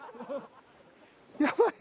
やばい。